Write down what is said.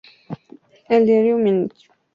El diario Mainichi Shimbun ha tomado nota de Reborn!